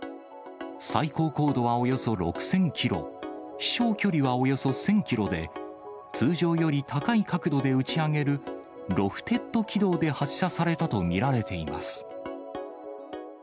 最高高度はおよそ６０００キロ、飛しょう距離はおよそ１０００キロで、通常より高い角度で打ち上げる、ロフテッド軌道で発射されたと見られています。